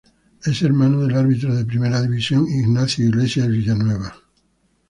Es hermano del árbitro de Primera División Ignacio Iglesias Villanueva.